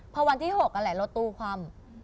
พอวันที่๖นั่นแหละรถตู้คว่ำ